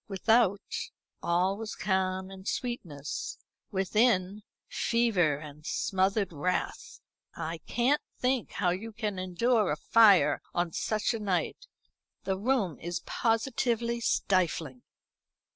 Without, all was calm and sweetness, within, fever and smothered wrath. "I can't think how you can endure a fire on such a night. The room is positively stifling."